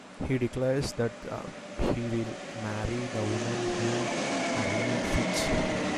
He declares that he will marry the woman whom the ring fits.